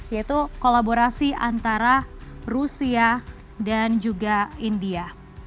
yaitu kolaborasi antara rusia dan juga india